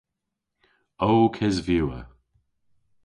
Ow kesvewa.